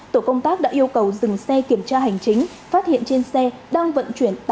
tổ công tác đã yêu cầu dừng xe kiểm tra hành chính phát hiện trên xe đang vận chuyển